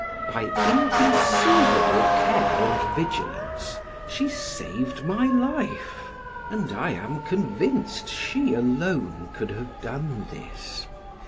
By inconceivable care and vigilance, she saved my life; and I am convinced she alone could have done this.